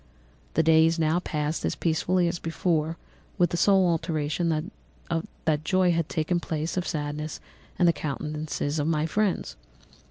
"The days now passed as peaceably as before, with the sole alteration that joy had taken place of sadness in the countenances of my friends.